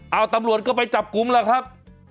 เอาตำรวจก็ไปจับกลุ่มล่ะครับ